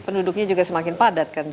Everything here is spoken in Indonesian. penduduknya juga semakin padat kan